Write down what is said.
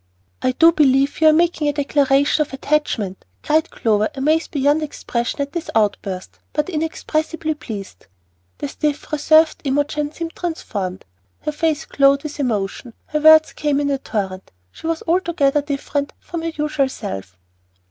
"I do believe you are making me a declaration of attachment!" cried Clover, amazed beyond expression at this outburst, but inexpressibly pleased. The stiff, reserved Imogen seemed transformed. Her face glowed with emotion, her words came in a torrent. She was altogether different from her usual self.